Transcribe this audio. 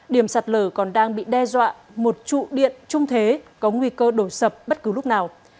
điểm sạt lở còn đang bị đe dọa một trụ điện trung thế có nguy cơ đổ sập bất cứ lúc nào